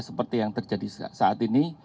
seperti yang terjadi saat ini